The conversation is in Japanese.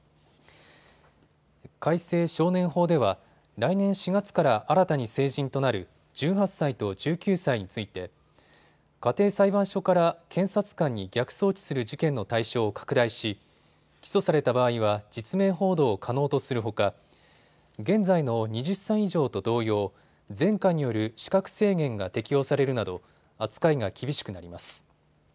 改正少年法では来年４月から新たに成人となる１８歳と１９歳について家庭裁判所から検察官に逆送致する事件の対象を拡大し起訴された場合は実名報道を可能とするほか現在の２０歳以上と同様、前科による資格制限が適用されるなど扱いが厳しくなります。